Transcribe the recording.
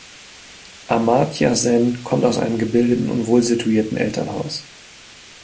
Amartya Sen kommt aus einem gebildeten und wohl situierten Elternhaus.